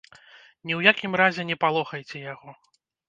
Ні ў якім разе не палохайце яго!